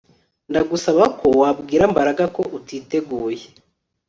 Ndagusaba ko wabwira Mbaraga ko utiteguye